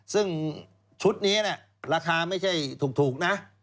ซึ่งชุดนี้ราคาไม่ใช่ถูกนะ